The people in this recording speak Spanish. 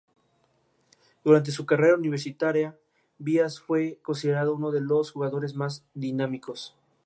Ha participado en catorce proyectos de investigación y desarrollo financiados en convocatorias públicas.